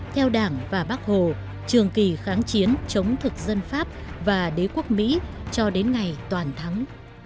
theo đảng và bác hồ trường kỳ kháng chiến chống thực dân pháp và đế quốc mỹ cho đến ngày toàn thắng